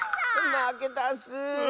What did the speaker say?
まけたッス！